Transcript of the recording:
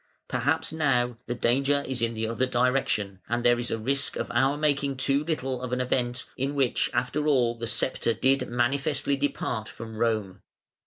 Perhaps now the danger is in the other direction, and there is a risk of our making too little of an event in which after all the sceptre did manifestly depart from Rome.